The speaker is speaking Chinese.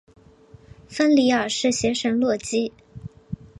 芬里尔是邪神洛基。